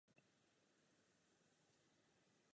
Škola pořádá řadu přednášek včetně známého "Science café".